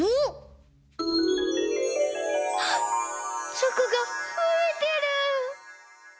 チョコがふえてる！